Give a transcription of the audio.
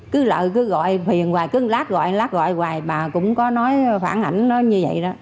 cứ gọi phiền hoài cứ lát gọi lát gọi hoài bà cũng có nói phản ảnh nó như vậy đó